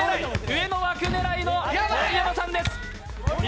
上の枠狙いの盛山さんです。